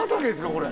これ。